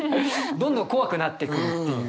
どんどん怖くなってくっていう。